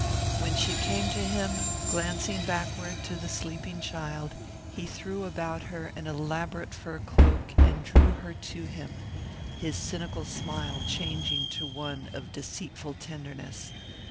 When she came to him, glancing backward to the sleeping child, he threw about her an elaborate fur cloak and drew her to him, his cynical smile changing to one of deceitful tenderness.